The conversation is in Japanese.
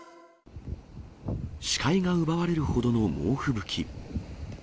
視界が奪われるほどの猛吹雪。